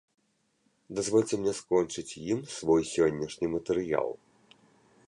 Дазвольце мне скончыць ім свой сённяшні матэрыял.